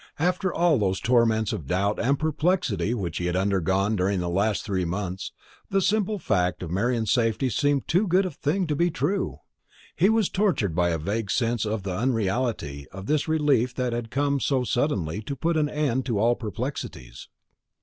After all those torments of doubt and perplexity which he had undergone during the last three months, the simple fact of Marian's safety seemed too good a thing to be true. He was tortured by a vague sense of the unreality of this relief that had come so suddenly to put an end to all perplexities.